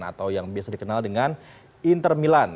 atau yang biasa dikenal dengan inter milan